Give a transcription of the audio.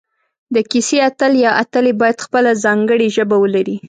د کیسې اتل یا اتلې باید خپله ځانګړي ژبه ولري